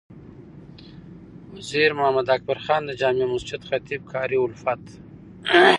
وزیر محمد اکبر خان د جامع مسجد خطیب قاري الفت،